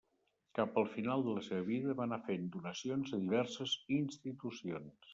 Cap al final de la seva vida, va anar fent donacions a diverses institucions.